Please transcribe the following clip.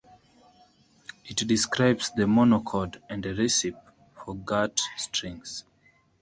It describes the monochord, and a recipe for gut strings.